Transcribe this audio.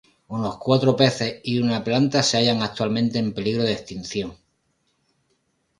Unos cuatro peces y una planta se hayan actualmente en peligro de extinción.